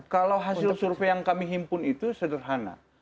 kalau hasil survei yang kami himpun itu sederhana